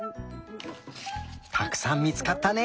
たくさん見つかったね！